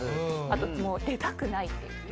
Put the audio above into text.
あともう出たくないっていう。